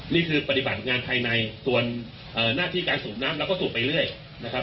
ปฏิบัติงานภายในส่วนหน้าที่การสูบน้ำเราก็สูบไปเรื่อยนะครับ